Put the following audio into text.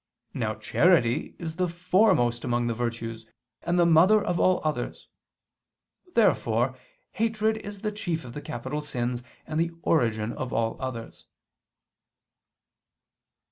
Now charity is the foremost among the virtues, and the mother of all others. Therefore hatred is the chief of the capital sins, and the origin of all others.